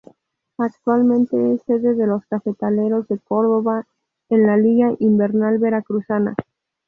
Actualmente es sede de los Cafetaleros de Córdoba en la Liga Invernal Veracruzana.